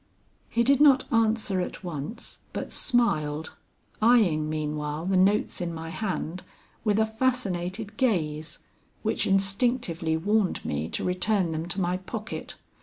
"He did not answer at once, but smiled, eying meanwhile the notes in my hand with a fascinated gaze which instinctively warned me to return them to my pocket.